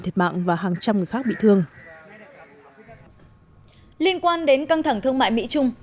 trẻ và hàng trăm người khác bị thương liên quan đến căng thẳng thương mại mỹ trung